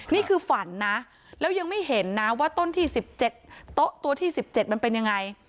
นี่คือฝันนะแล้วยังไม่เห็นนะว่าต้นที่๑๗โต๊ะตัวที่๑๗มันเป็นยังไง